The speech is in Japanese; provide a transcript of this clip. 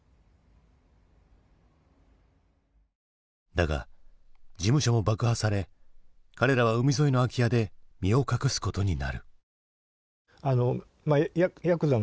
だが事務所も爆破され彼らは海沿いの空き家で身を隠すことになる。